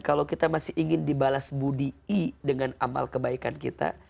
kalau kita masih ingin dibalas budi'i dengan amal kebaikan kita